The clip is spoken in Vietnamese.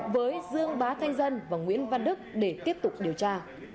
với dương bá thanh dân và nguyễn văn đức để tiếp tục điều tra